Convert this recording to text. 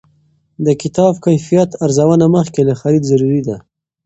د کتاب کیفیت ارزونه مخکې له خرید ضروري ده.